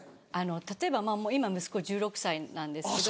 例えば今息子１６歳なんですけど。